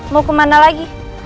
mau kemana lagi